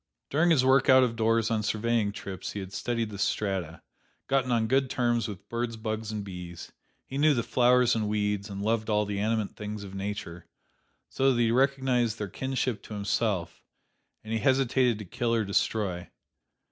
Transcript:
During his work out of doors on surveying trips he had studied the strata; gotten on good terms with birds, bugs and bees; he knew the flowers and weeds, and loved all the animate things of Nature, so that he recognized their kinship to himself, and he hesitated to kill or destroy.